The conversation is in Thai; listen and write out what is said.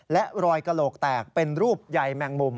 และรอยกระโหลกแตกเป็นรูปใยแมงมุม